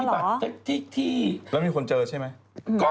ถ้าเกิดที่มีคนเจอใช่ไหม